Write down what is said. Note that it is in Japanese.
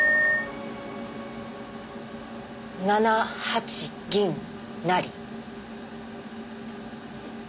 ７八銀成。